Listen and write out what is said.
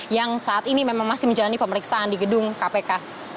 yang saat ini memang masih menjalani pemeriksaan di gedung kpk